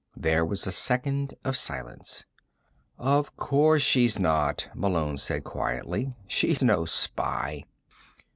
There was a second of silence. "Of course she's not," Malone said quietly. "She's no spy."